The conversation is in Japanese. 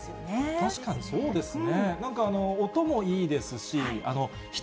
確かにそうですね。